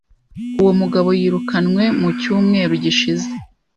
Uwo mugabo yirukanwe mu cyumweru gishize.